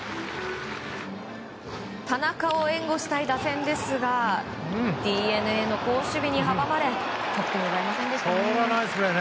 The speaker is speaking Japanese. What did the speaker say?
田中を援護したい打線ですがＤｅＮＡの好守備に阻まれ得点を奪えませんでしたね。